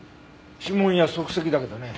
指紋や足跡だけどね